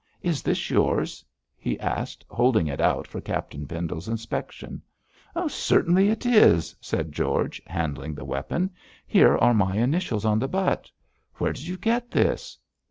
'Is this yours?' he asked, holding it out for Captain Pendle's inspection. 'Certainly it is,' said George, handling the weapon; 'here are my initials on the butt. Where did you get this?'